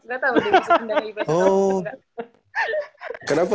gak tau deh bisa pindah ke ips atau enggak